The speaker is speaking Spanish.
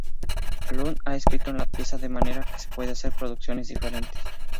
Lund ha escrito la pieza de manera que se pueden hacer producciones diferentes.